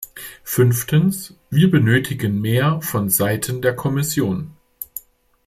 Fünftens, wir benötigen mehr von Seiten der Kommission.